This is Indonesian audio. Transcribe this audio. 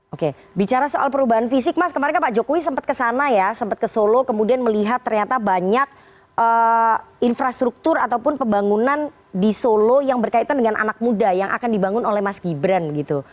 oke bicara soal perubahan fisik mas kemarin pak jokowi sempat kesana ya sempat ke solo kemudian melihat ternyata banyak infrastruktur ataupun pembangunan di solo yang berkaitan dengan anak muda yang akan dibangun oleh mas gibran gitu